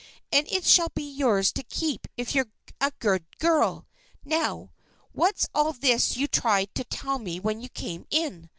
And it shall be yours to keep if you're a good girl. Now! what's all this you tried to tell me when you came in?